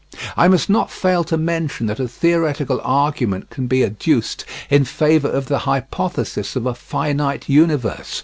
I must not fail to mention that a theoretical argument can be adduced in favour of the hypothesis of a finite universe.